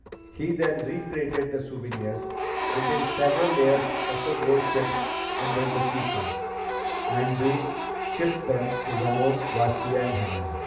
He then recrated the souvenirs, putting several layers of the gold ships under the cheap ones, and Duke shipped them to Ramon Garcia in Havana.